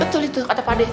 betul itu kata pak dek